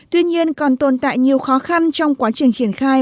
tuy nhiên còn tồn tại nhiều khó khăn trong quá trình triển khai